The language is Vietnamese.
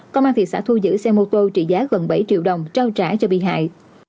công an thị xã thu giữ xe mô tô trị giá gần bảy triệu đồng trao trả cho bị hại